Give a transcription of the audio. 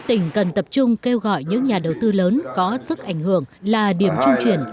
tỉnh cần tập trung kêu gọi những nhà đầu tư lớn có sức ảnh hưởng là điểm trung chuyển